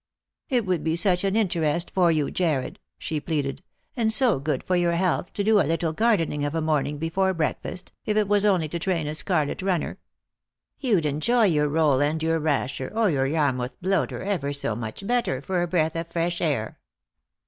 " It would be such an interest for you, Jarred," she pleaded, " and so good for your health, to do a little gardening of a morning before breakfast, if it was only to train a scarlet runner. 352 Lost for Love. You'd enjoy your roll and your rasher, or your Yarmouth bloater ever so much better for a breath of fresh air."